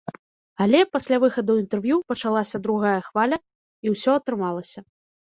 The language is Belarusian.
Але пасля выхаду інтэрв'ю пачалася другая хваля і ўсё атрымалася.